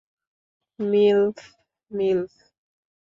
MILF, MILF.